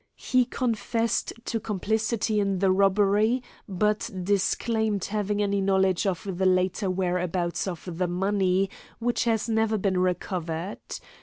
He confessed to complicity in the robbery, but disclaimed having any knowledge of the later whereabouts of the money, which has never been recovered.